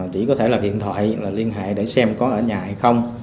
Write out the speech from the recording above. chỉ có thể là điện thoại là liên hệ để xem có ở nhà hay không